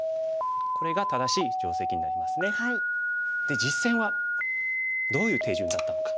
実戦はどういう手順だったのか。